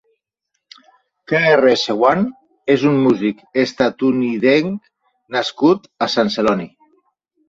KRS-One és un músic estatunidenc nascut a Sant Celoni.